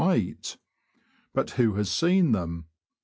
weight. But who has seen them